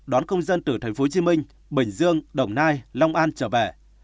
đón công dân từ tp hcm bình dương đồng nai long an trở về